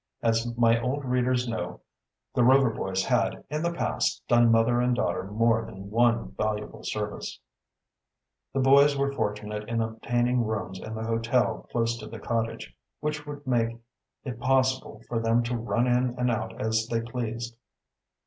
As my old readers know, the Rover boys had, in the past, done mother and daughter more than one valuable service. The boys were fortunate in obtaining rooms in the hotel close to the cottage, which would make it possible for them to run in and out as they pleased.